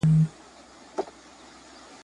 د څیړنې انګیزه علمي شکایتونه حل کول دي.